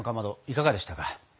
いかがでしたか？